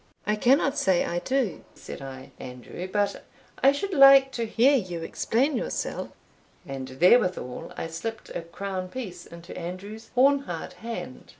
"I cannot say I do," said I, "Andrew; but I should like to hear you explain yourself;" and therewithal I slipped a crown piece into Andrew's horn hard hand.